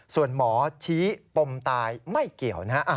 ส่วนหมอชี้ปมตายไม่เกี่ยวนะฮะ